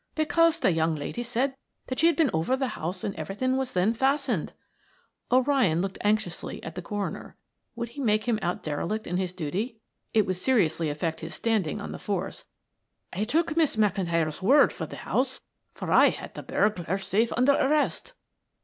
"Because the young lady said that she had been over the house and everything was then fastened." O'Ryan looked anxiously at the coroner. Would he make him out derelict in his duty? It would seriously affect his standing on the Force. "I took Miss McIntyre's word for the house, for I had the burglar safe under arrest."